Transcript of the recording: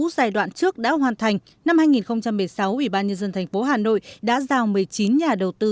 giai đoạn trước đã hoàn thành năm hai nghìn một mươi sáu ủy ban nhân dân thành phố hà nội đã giao một mươi chín nhà đầu tư